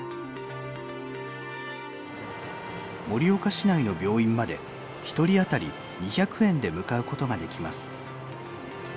盛岡市内の病院まで１人あたり２００円で向かうことができます。